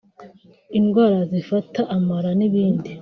indwara zifata amara n’ibindi